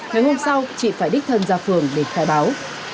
ngày hôm sau chị phải đích thân ra phường để khai báo